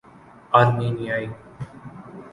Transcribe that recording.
آرمینیائی